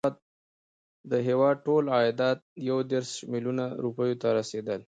د هیواد ټول عایدات یو دېرش میلیونه روپیو ته رسېدل.